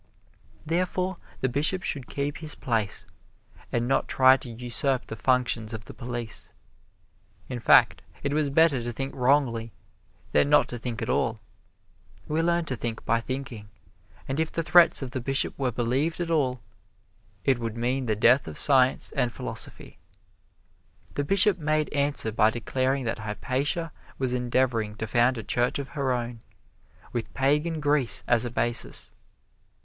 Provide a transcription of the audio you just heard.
Therefore, the Bishop should keep his place, and not try to usurp the functions of the police. In fact, it was better to think wrongly than not to think at all. We learn to think by thinking, and if the threats of the Bishop were believed at all, it would mean the death of science and philosophy. The Bishop made answer by declaring that Hypatia was endeavoring to found a Church of her own, with Pagan Greece as a basis.